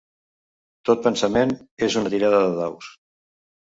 Tot pensament és una tirada de daus».